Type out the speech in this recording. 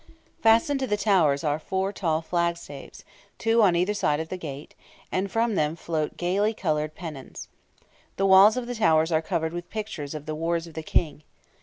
Fastened to the towers are four tall flagstaves two on either side of the gate and from them float gaily coloured pennons. The walls of the towers are covered with pictures of the wars of the King.